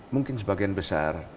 mungkin sebagian besar